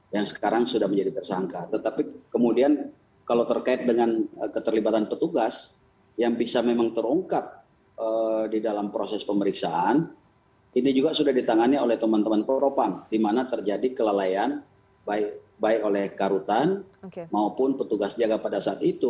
yang sekarang sudah menjadi tersangka tetapi kemudian kalau terkait dengan keterlibatan petugas yang bisa memang terungkap di dalam proses pemeriksaan ini juga sudah ditangani oleh teman teman propang di mana terjadi kelalaian baik oleh karutan maupun petugas jaga pada saat itu